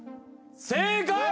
正解！